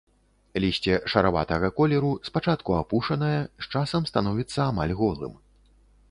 Лісце шараватага колеру, спачатку апушанае, з часам становіцца амаль голым.